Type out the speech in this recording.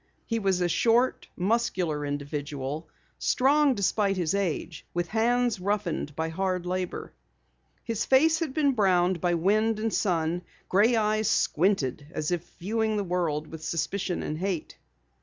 He was a short, muscular individual, strong despite his age, with hands roughened by hard labor. His face had been browned by wind and sun; gray eyes squinted as if ever viewing the world with suspicion and hate.